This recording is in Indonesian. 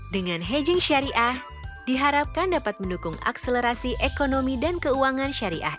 dengan hedjing syariah diharapkan dapat mendukung akselerasi ekonomi dan keuangan syariah